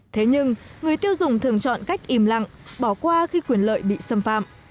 thế nhưng người tiêu dùng thường chọn cách im lặng bỏ qua khi quyền lợi bị xâm phạm